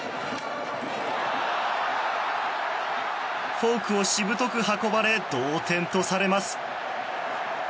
フォークをしぶとく運ばれ同点とされます。